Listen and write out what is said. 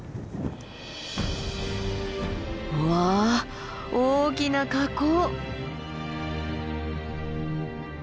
わあ大きな火口。